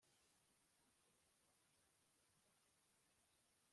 ariko munanirwa kugenzura ibimenyetso by’ibihe.